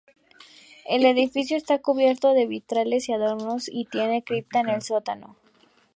El edificio esta cubierto de vitrales y adornos y tiene cripta en el sótano.